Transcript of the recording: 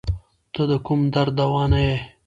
ته د کوم درد دوا نه یی